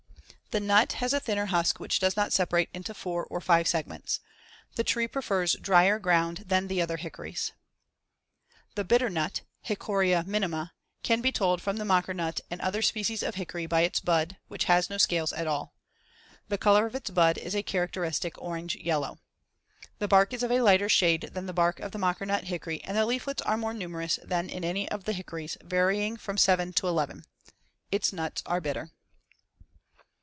The nut has a thinner husk which does not separate into four or five segments. The tree prefers drier ground than the other hickories. [Illustration: FIG. 69. Bud of the Mockernut Hickory.] The bitternut (Hicoria minima) can be told from the mockernut and other species of hickory by its bud, which has no scales at all. The color of its bud is a characteristic orange yellow. The bark is of a lighter shade than the bark of the mockernut hickory and the leaflets are more numerous than in any of the hickories, varying from 7 to 11. Its nuts are bitter.